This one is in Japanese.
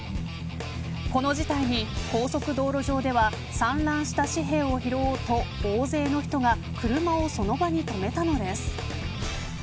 この事態に高速道路上では散乱した紙幣を拾おうと大勢の人が車をその場に止めたのです。